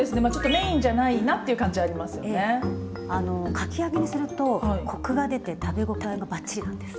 かき揚げにするとコクが出て食べ応えがバッチリなんです。